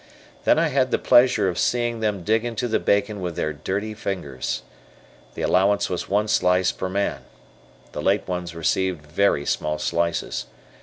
Then I had the pleasure of seeing them dig into the bacon with their dirty fingers. The allowance was one slice per man. The late ones received very small slices.